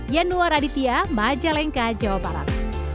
yanuar aditya majalengka jawa barat